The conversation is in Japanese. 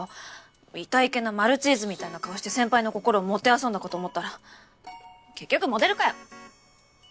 いたいけなマルチーズみたいな顔して先輩の心をもてあそんだかと思ったら結局モデルかよ。